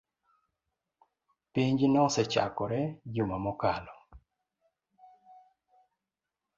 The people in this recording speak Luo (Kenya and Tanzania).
Penj nosechakore juma mokalo